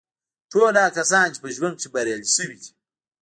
ټول هغه کسان چې په ژوند کې بریالي شوي دي